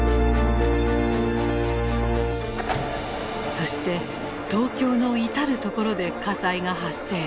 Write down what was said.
そして東京の至る所で火災が発生。